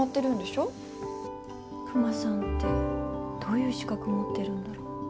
クマさんってどういう資格持ってるんだろ？